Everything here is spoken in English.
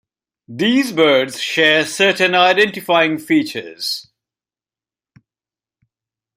These birds share certain identifying features.